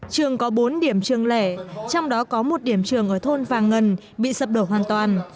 trường có bốn điểm trường lẻ trong đó có một điểm trường ở thôn vàng ngân bị sập đổ hoàn toàn